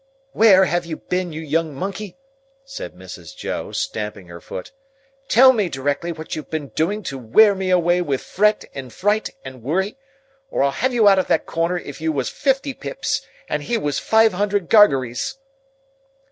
"Where have you been, you young monkey?" said Mrs. Joe, stamping her foot. "Tell me directly what you've been doing to wear me away with fret and fright and worrit, or I'd have you out of that corner if you was fifty Pips, and he was five hundred Gargerys."